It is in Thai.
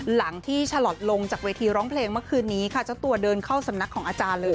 หลังที่ฉลอทลงจากเวทีร้องเพลงเมื่อคืนนี้ค่ะเจ้าตัวเดินเข้าสำนักของอาจารย์เลย